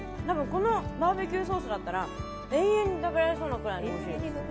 このバーベキューソースだったら永遠に食べられそうなぐらいおいしいです。